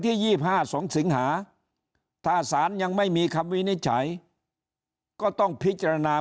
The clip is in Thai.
๒๕๒สิงหาถ้าสารยังไม่มีคำวินิจฉัยก็ต้องพิจารณา